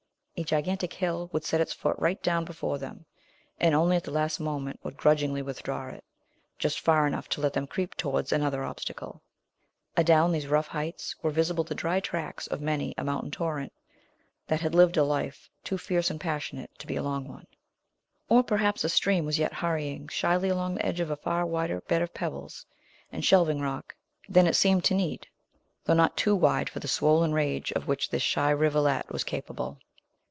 A gigantic hill would set its foot right down before them, and only at the last moment would grudgingly withdraw it, just far enough to let them creep towards another obstacle. Adown these rough heights were visible the dry tracks of many a mountain torrent that had lived a life too fierce and passionate to be a long one. Or, perhaps, a stream was yet hurrying shyly along the edge of a far wider bed of pebbles and shelving rock than it seemed to need, though not too wide for the swollen rage of which this shy rivulet was capable.